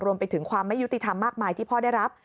รวมไปถึงความไม่ยุติธรรมมากมายที่พ่อได้รับ